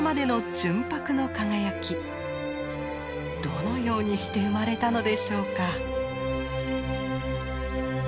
どのようにして生まれたのでしょうか？